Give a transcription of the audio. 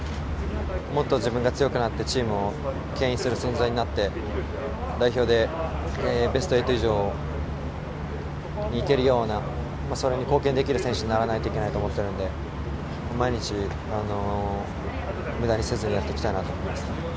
もっと自分が強くなってチームをけん引する存在になって代表でベスト８以上に行けるようなそれに貢献できる選手にならないとと思ってるんで毎日、無駄にせずにやっていきたいなと思います。